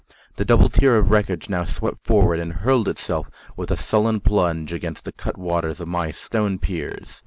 The double tier of wreckage now swept forward, and hurled itself with a sullen plunge against the cutwaters of my stone piers.